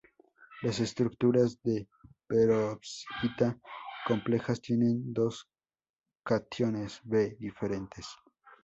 Las estructuras de perovskita complejas tienen dos cationes 'B' diferentes.